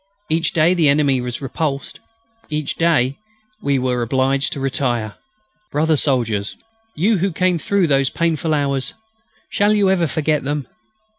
Each day the enemy was repulsed. Each day we were obliged to retire. Brother soldiers! you who came through those painful hours shall you ever forget them?